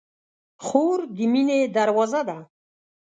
خور د مینې دروازه ده.